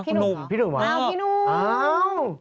พี่หนุ่มหรออ้าวพี่หนุ่มอ้าวพี่หนุ่มอ้าว